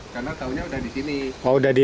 karena tahunya sudah di sini